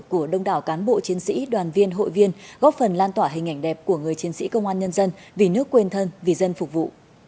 của đông đảo cán bộ chiến sĩ đoàn viên hội viên góp phần lan tỏa hình ảnh đẹp của người chiến sĩ công an nhân dân vì nước quên thân vì dân phục vụ